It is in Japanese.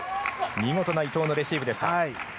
見事な伊藤のレシーブでした。